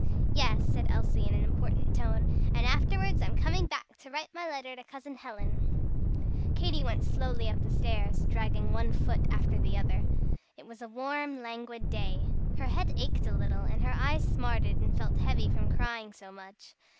"Yes," said Elsie, in an important tone, "And afterwards I'm coming back to write my letter to Cousin Helen." Katy went slowly up stairs, dragging one foot after the other. It was a warm, languid day. Her head ached a little, and her eyes smarted and felt heavy from crying so much.